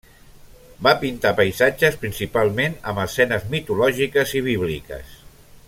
Va pintar paisatges principalment amb escenes mitològiques i bíbliques.